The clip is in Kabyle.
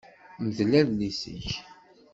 Mdel adlis-ik.